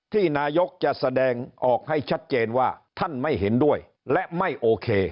ที่นายกจะแสดงออกให้ชัดเจนว่าท่านไม่เห็นด้วยและไม่โอเค